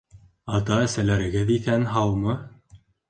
Ата-әсәләрегеҙ иҫән-һаумы?